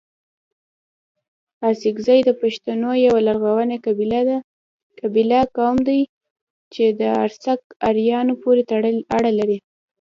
اڅکزي دپښتونو يٶه لرغوني قبيله، قوم دئ چي د ارڅک اريانو پوري اړه لري